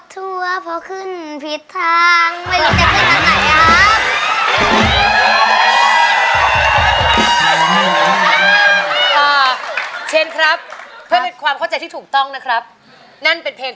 แต่ผมจำได้จะเล่าให้ฟัง